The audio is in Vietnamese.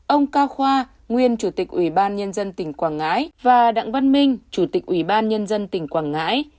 ông cao khoa nguyên chủ tịch ủy ban nhân dân tỉnh quảng ngãi và đặng văn minh chủ tịch ủy ban nhân dân tỉnh quảng ngãi